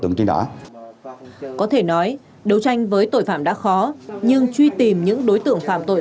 tượng truy nã có thể nói đấu tranh với tội phạm đã khó nhưng truy tìm những đối tượng phạm tội